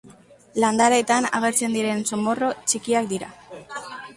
Landareetan agertzen diren zomorro txikiak dira.